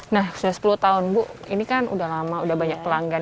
nah sudah sepuluh tahun bu ini kan udah lama udah banyak pelanggan